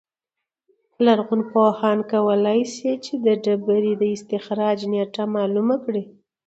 لرغونپوهان کولای شي چې د ډبرې د استخراج نېټه معلومه کړي